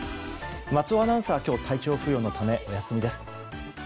松尾アナウンサーは今日体調不良のためお休みです。